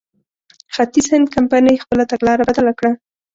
ختیځ هند کمپنۍ خپله تګلاره بدله کړه.